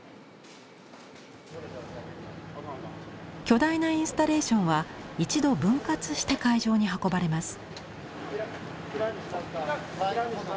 巨大なインスタレーションは一度分割して会場に運ばれます。